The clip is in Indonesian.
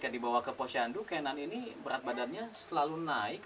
kalau dibawa ke posyandu kenan selalu berat badannya naik